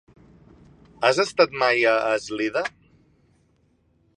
Has estat mai a Eslida?